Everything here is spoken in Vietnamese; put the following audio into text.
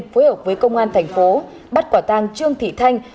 phối hợp với công an thành phố bắt quả tang trương thị thanh